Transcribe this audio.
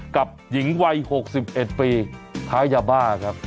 กับหญิงวัย๖๑ปีค้ายาบ้าครับ